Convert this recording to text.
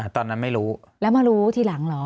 ตอนนั้นไม่รู้แล้วมารู้ทีหลังเหรอ